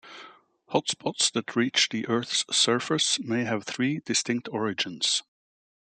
Hotspots that reach the Earth's surface may have three distinct origins.